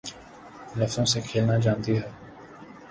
لفظوں سے کھیلنا جانتی ہے